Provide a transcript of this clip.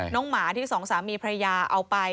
น้องหมาที่สองสามีปลามาเอาไป